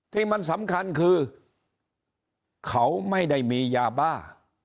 ที่มันสำคัญคือเขาไม่ได้มียาบ้า